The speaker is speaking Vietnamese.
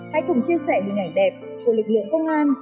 hãy cùng chia sẻ hình ảnh đẹp của lực lượng công an